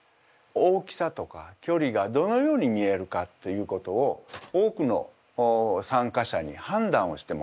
大きさとかきょりがどのように見えるかということを多くの参加者に判断をしてもらいました。